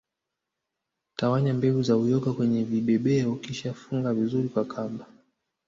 Tawanya mbegu za uyoga kwenye vibebeo kisha funga vizuri kwa kamba